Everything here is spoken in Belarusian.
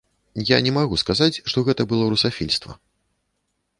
Я не магу сказаць, што гэта было русафільства.